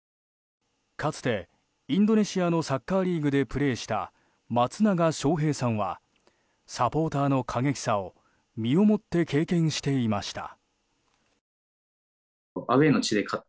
かつて、インドネシアのサッカーリーグでプレーした松永祥兵さんはサポーターの過激さを身をもって経験していました。